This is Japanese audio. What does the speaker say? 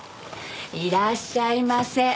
いらっしゃいませ。